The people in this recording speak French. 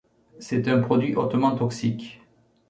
C'est un produit hautement toxique.